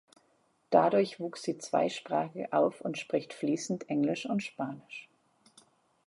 Dadurch wuchs sie zweisprachig auf und spricht fließend Englisch und Spanisch.